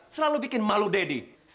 selalu bikin malu deddy